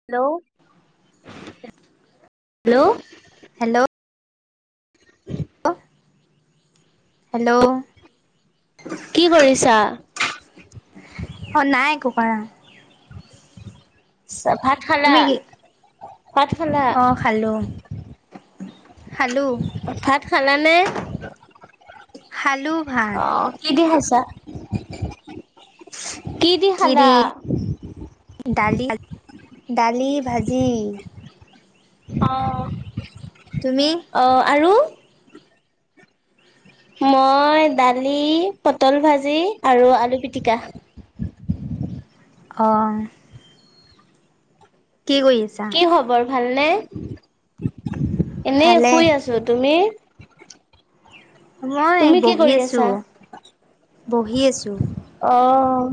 Hello? Hello? Hello? ও hello? কি কৰিছা? অ নাই একো কৰা। সভাত তুমি কি? অ খালো খালো। ভাত খালানে? খালো ভাত। অ' কি দি খাইছা? কি দি খালা? কিদি দালি, দালি ভাজি। অঁ। তুমি? অঁ আৰু? মই দালি, পটল ভাজি আৰু আলু পিটিকা। অঁ। কি কৰি আছা? কি খবৰ ভালনে? এনেই ভালে শুই আছো, তুমি? মই এ, তুমি কি বহি কৰি আছা? আছোঁ, বহি আছোঁ। অ'।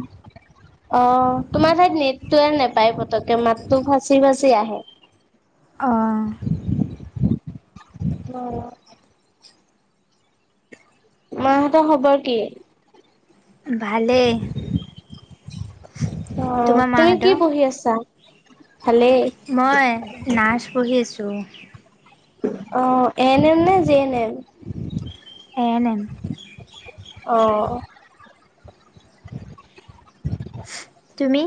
অ' তোমাৰ ঠাইত নেটটো নোপায় পতককে, মাতটো ফাঁচি ফাঁচি আহে। অ'। অ'। মাহঁতৰ খবৰ কি? ভালেই। অ' তোমাৰ তুমি কি মাহঁতৰ পঢ়ি আছা? ভালেই। মই নাৰ্চ পঢ়ি আছোঁ। অ' এন এম নে G N M? A N M. অ'। তুমি?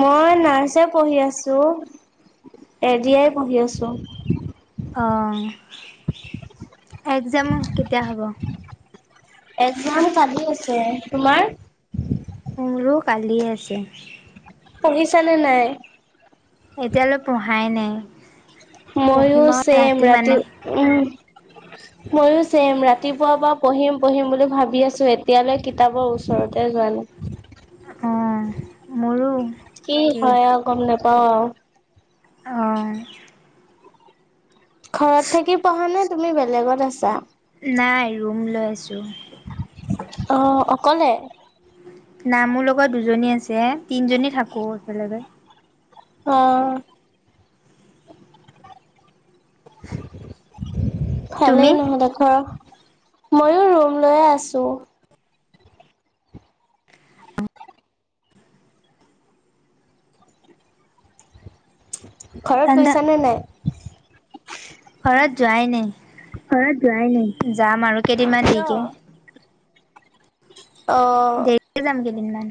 মই নাৰ্চে পঢ়ি আছোঁ, এ ডি আই পঢ়ি আছোঁ। অ'। এক্সাম কেতিয়া হ'ব? এক্সাম কালি আছে। তোমাৰ? মোৰো কালিয়ে আছে। পঢ়িছা নে নাই? এতিয়ালৈ পঢ়াই নাই। মইও পঢ়িম আৰু চেম, ৰাতি, মানে উম। ময়ো চেম, ৰাতিপুৱাৰ পৰা পঢ়িম পঢ়িম বুলি ভাবি আছোঁ এতিয়ালৈ কিতাপৰ ওচৰতে যোৱা নাই। অ' মোৰো। কি একেই হয় আৰু গম নেপাওঁ আৰু। অ'। ঘৰত থাকি পঢ়ানে তুমি বেলেগত আছা? নাই ৰুম লৈ আছোঁ। অ' অকলে? নাই, মোৰ লগত দুজনী আছে, তিনিজনী থাকোঁ একেলগে। অ'। তুমি ভালেই ন'হলে [unintelligible] ময়ো ৰুম লৈয়ে আছোঁ। ঘৰত ঠাণ্ডা গৈছা নে নাই? ঘৰত যোৱাই নাই, ঘৰত যোৱাই নাই। যাম আৰু কেইদিনমান কিয়? দেৰিকে। অ'। কে যাম কেইদিনমান।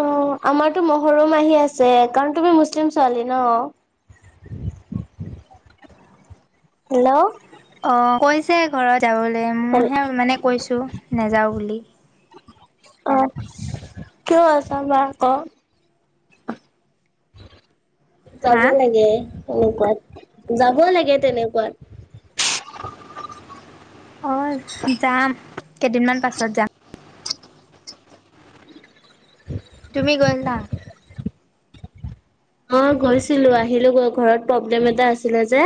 অ' আমাৰতো মহৰম আহি আছে কাৰণ তুমিতো মুছলিম ছোৱালী ন'। হেল্ল'। অ' কৈছে ঘৰত যাবলৈ, হেল মোৰহে মানে কৈছোঁ নাযাওঁ বুলি। অ' কিয় আছা বা ঘৰত? হা যাব লাগে তেনেকুৱাত, যাবই লাগে তেনেকুৱাত। অ' যাম কেইদিনমান পাছত যাম। তুমি গৈ আহিলা? অ' গৈছিলোঁ, আহিলোঁ গৈ ঘৰত প্ৰব্লেম এটা আছিলে যে।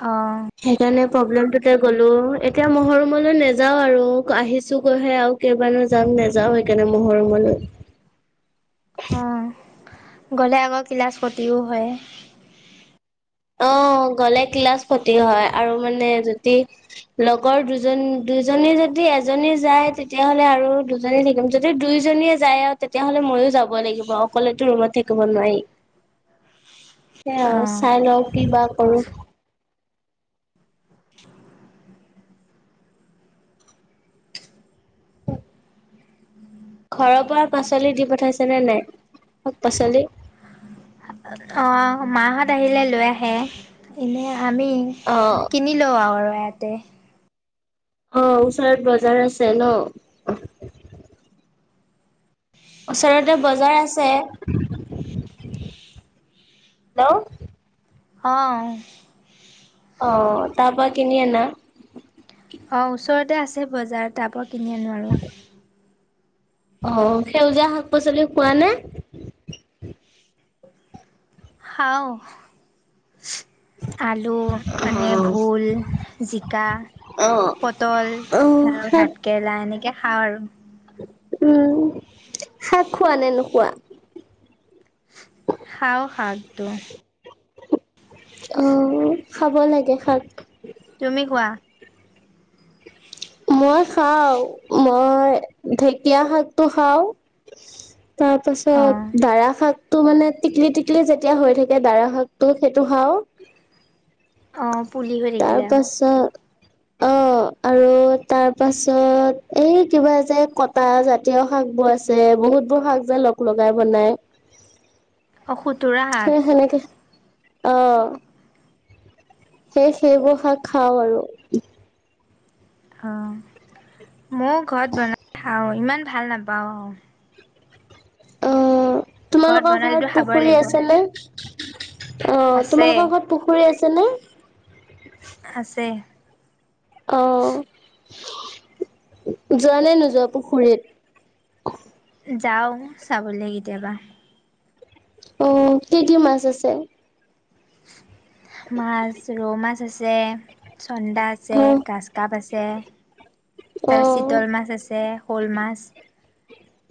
অ'। সেইকাৰণে প্ৰব্লেমটোতে গ'লো, এতিয়া মহৰমলৈ নেযাওঁ আৰু আহিছোঁ গৈহে আৰু। কেইবাৰো যাম নেযাওঁ সেইকাৰণে মহৰমলৈ। অ', গ'লে আকৌ ক্লাছ ক্ষতিও হয়। অ', গ'লে ক্লাচ ক্ষতি হয় আৰু মানে যদি লগৰ দুজন দুজনী যদি এজনী যায় তেতিয়াহ'লে আৰু দু জনী থাকিম যদি দুইজনীয়ে যায় আৰু তেতিয়াহ'লে ময়ো যাব লাগিব অকলেটো ৰুমত থাকিব নোৱাৰি। সেয়াই আৰু অঁ চাই লওঁ কিবা কৰোঁ। হয়। ঘৰৰ পৰা পাচলি দি পঠাইছে নে নাই শাক-পাচলি? অ', মাহত আহিলে লৈ আহে, এনে আমি অ কিনি লো আৰু ইয়াতে অ', ওচৰত বজাৰ আছে ন'। ওচৰতে বজাৰ আছে, হেল্ল'। অ'। অ', তাৰ পৰা কিনি আনা। অ', ওচৰতে আছে বজাৰ তাপা কিনি আনো আৰু। অ', সেউজীয়া শাক-পাচলি খোৱানে? খাওঁ। আলু অ আনে, ভোল জিকা অ পটল অ', আৰু শাক ভাত কেৰেলা এনেকে খাওঁ আৰু। উম, শাক খোৱা নে নোখোৱা? খাওঁ শাকটো। অ', খাব লাগে শাক। তুমি খোৱা। মই খাওঁ, মই ঢেঁকীয়া শাকটো খাওঁ। অ', তাৰপাছত দাৰা শাক টো মানে টিকলি টিকলি যেতিয়া হৈ থাকে দাৰা শাকটো সেইটো খাওঁ। অ' পুলি হৈ তাৰ থাকিলে আৰু। পাছত অ', আৰু তাৰপাছত এই কিবা যে কটা জাতীয় শাকবোৰ আছে বহুতবোৰ শাক যে লগাই বনাই। অ', সুতোৰা শা এই সেনেকে অ'। সেই সেইবোৰ শাক খাওঁ আৰু। অ', ময়ো ঘৰত বনাই খাওঁ, ইমান ভাল নাপাওঁ অ'। অ', তোমালোকৰ বনালেতো ঘৰত খাবই পুখুৰী লাগিব। আছে নে? অ', আছে তোমালোকৰ ঘৰত পুখুৰী আছে নে? আছে। অ', যোৱা নে নোযোৱা পুখুৰীত? যাওঁ চাবলৈ কেতিয়াবা। অ', কি কি মাছ আছে? মাছ ৰৌ মাছ আছে, চন্দা আছে, অ', গাজকাপ আছে। তাৰপিছত অ', চিতল মাছ আছে, শ'ল মাছ।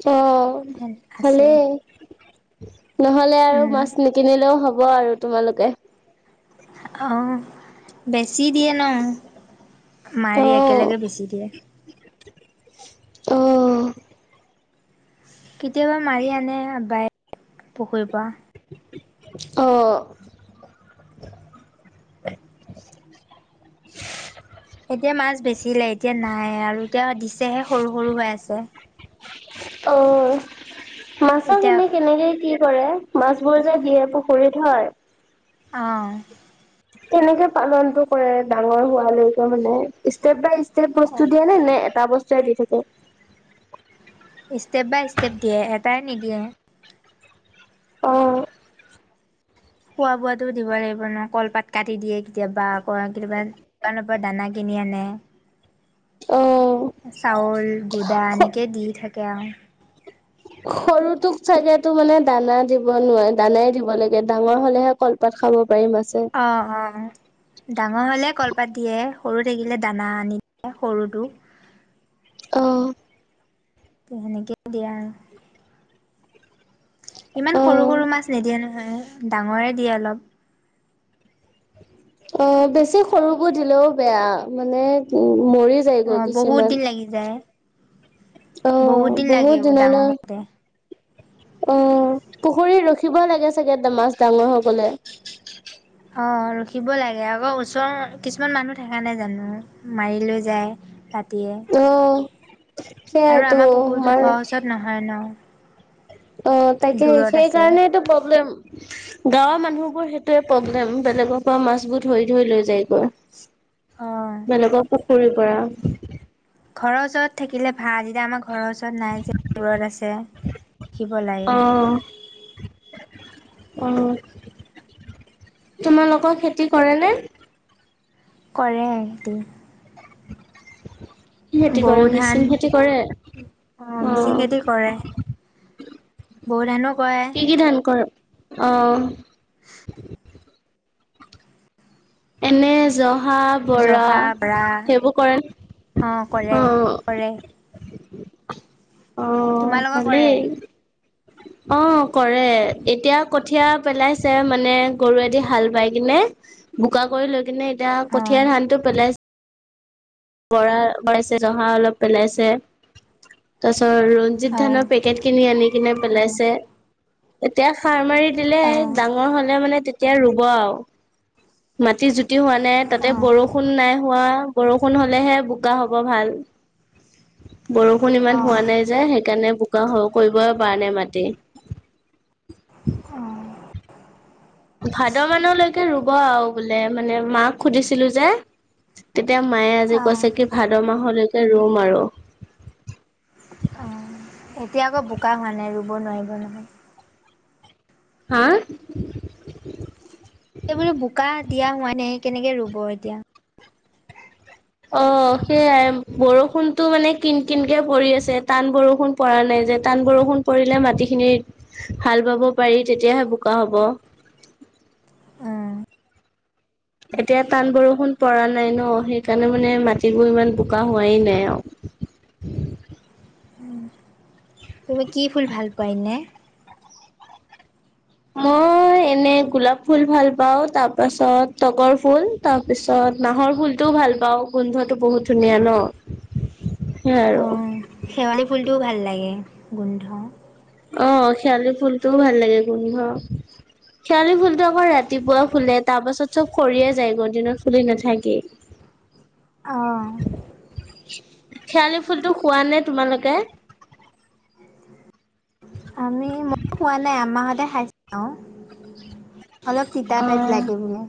অ'। এন আছে। ভালেই, নহ'লে আৰু মাছ নিকিনিলেও হ'ব আৰু তোমালোকে। অ', বেচি দিয়ে ন' মাৰি অ', একেলগে বেচি দিয়ে। অ। কেতিয়াবা মাৰি আনে আব্বাই পুখুৰীৰ পৰা। অ। এতিয়া মাছ বেচিলে এতিয়া নাই আৰু এতিয়া দিছেহে সৰু সৰু হৈ আছে। অ মাছৰ এতিয়া কেনে কেনেকে পৰে মাছ বোৰ যে দিয়ে পুখুৰীত হয় অ। কেনেকে পালনটো ডাঙৰ হোৱালৈকে ষ্টেপ বাই ষ্টেপ বস্তু দিয়ে নে এটা বস্তুয়ে দি থাকে? ষ্টেপ বাই ষ্টেপ দিয়ে এটাই নিদিয়ে। অ। খোৱা বোৱাতো দিব লাগিব ন কলপাত কাটি দিয়ে কেতিয়াবা আকৌ কেতিয়াবা দোকানৰ পৰা দানা কিনি আনে। অ। চাউল গুড়া এনেকেই দি থাকে আৰু। সৰুটোক চাগে এইটো মানে দানা দিব নোৱাৰে দানাই দিব লাগে ডাঙৰ হ'লেহে কলপাত খাব পাৰি মাছে অ অ অহ। ডাঙৰ হ'লে কলপাত দিয়ে সৰু থাকিলে দানা আনি দিয়ে সৰুটোক। অহ। ত সেনেকেই দিয়ে আৰু। ইমান সৰু অ', সৰু মাছ নিদিয়ে নহয় ডাঙৰে দিয়ে অলপ। অ বেছি সৰুবোৰ দিলেও বেয়া মানে উম মৰি অ যায়গৈ বহুত দিন কিছুমান। লাগি যায়। অ দিন বহুত লাগেও ডাঙৰ দিনলৈ হওঁতে অ পুখুৰীত ৰখিব লাগে চাগে মাছ ডাঙৰ হ'বলে? অ ৰখিব লাগে আকৌ ওচৰৰ কিছুমান মানুহ দেখা নাই জানো মাৰি লৈ যায় ৰা তিয়ে, অ', আৰু সেইয়াইতো আমাৰ পুখুৰীটো আমাৰ ঘৰৰ ওচৰত নহয় ন। অ তাকেই দূৰত আছে সেইকাৰণেটো প্ৰব্লেম। গাঁৱৰ মানুহবোৰ সেইটোৱে প্ৰব্লেম বেলেগৰ পৰা মাছবোৰ ধৰি ধৰি লৈ যায়গৈ। অ বেলেগৰ পুখুৰীৰ পৰা ঘৰৰ ওচৰত থাকিলে ভাল এতিয়া আমাৰ ঘৰৰ ওচৰ ত নাই যে দূৰত আছে, ৰখিব লাগে। উম, তোমালোকৰ খেতি কৰেনে? কৰে খেতি। কি খেতি কৰে বৰো মিচিং ধান খেতি কৰে অ মিচিং হঁতে কৰে। বৰো ধানো কৰে। কি কি ধান কৰে অ এনে জহা বৰা জহা বৰা সেইবোৰ কৰে। অ কৰে অ অ। কৰে তোমালোকৰ কৰে? ভালেই অ কৰে এতিয়া কঠিয়া পেলাইছে মানে গৰুৱে দি হাল বাই কিনে। বোকা কৰি লৈ কিনে এতিয়া অ কঠিয়াৰ ধানটো পেলাইছে। বৰা পেলাইছে জহা অলপ পেলাইছে তাৰপিছত ৰঞ্জিত অ ধানৰ অ পেকেট কিনি আনি কিনে পেলাইছে এতিয়া সাৰ মাৰি দিলে ডা অ মোৰ হ'লে মানে, তেতিয়া ৰোব আৰু। মাটি য দিও হোৱা নাই, অ তাতে অ বৰষুণ নাই হোৱা। ৰষুণ হ'লেহে বোকা হ'ব, ভাল। বৰষুণ ইমান হোৱা নাই যে, সেইকাৰণে বোকা [unintelligible] কৰিবই পৰা নাই মাটি অ অ ভাদ মানলৈকে ৰোব আৰু বোলে। মানে, মাক সুধিছিলোঁ যে। তেতিয়া, মায়ে আজি কৈছে কি, ভাদ মাহলৈকে ৰোম আৰু। এতিয়া, আকৌ বোকা হোৱা নাই, ৰোব নোৱাৰিব নহয়। হা! [unintelligible] এইবোলো, বোকা দিয়া হোৱা নাই। কেনেকে ৰোব এতিয়া? অ'! সেয়াই বৰষুণতো মানে, কিন-কিনকে পৰি আছে। টান বৰষুণ পৰা নাই যে, টান বৰষুণ পৰিলে, মাটিখিনি হাল বাব পাৰি। তেতিয়াহে, বোকা হ'ব। উম এতিয়া, টান বৰষুণ পৰা নাই ন'। সেইকাৰণে মানে, মাটিবোৰ ইমান বোকা হোৱাই নাই আৰু। তুমি কি ফুল ভাল পোৱা এনে? মই এনে, গোলাপ ফুল ভাল পাওঁ, তাৰ পাছত তগৰ ফুল, তাৰ পিছত নাহৰ ফুল টো ভাল পাওঁ, গোন্ধটো বহুত ধুনীয়া ন'! সেইয়াই অ আৰু। শেৱালি ফুলটোও ভাল লাগে, গোন্ধ। অ'! শেৱালি ফুলটোও ভাল লাগে, গোন্ধ। শেৱালি ফুলটো আকৌ, ৰাতিপুৱা ফুলে। তাৰ পাছত, চব সৰিয়ে যায়। গধূলি দিনত ফুলি নাথাকেই। [inaudible] অ'! শেৱালি ফুলটো খোৱা নে তোমালোকে? আমি, মই খোৱা নাই। মামাহঁতে খাই, চাওঁ। অলপ তিতা অ টাইপ লাগে, বোলে।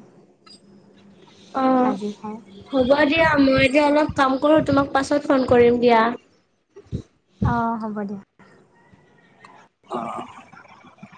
অ'! ভাজি খাই। হ'ব দিয়া, মই এতিয়া অলপ কাম কৰোঁ। তোমাক পাছত ফোন কৰিম দিয়া। অ'! হ'ব দিয়া। অ'! [unintelligible]